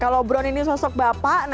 kalau bron ini sosok bapaknya ini bapaknya